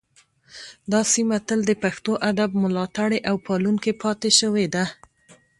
دا سیمه تل د پښتو ادب ملاتړې او پالونکې پاتې شوې ده